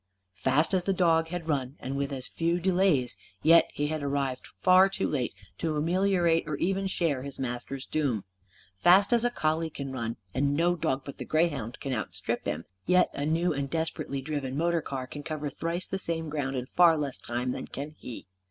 Fast as the dog had run, and with as few delays, yet he had arrived far too late to ameliorate or even share his master's doom. Fast as a collie can run and no dog but the greyhound can outstrip him yet a new and desperately driven motor car can cover thrice the same ground in far less time than can he.